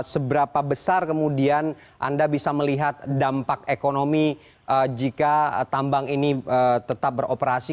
seberapa besar kemudian anda bisa melihat dampak ekonomi jika tambang ini tetap beroperasi